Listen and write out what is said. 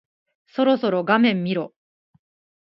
そろそろ画面見ろ。